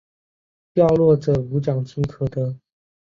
掉落者无奖金可得。